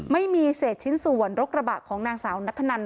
ไม่มีเศษชิ้นส่วนรถกระบะของนางสาวนัทธนัน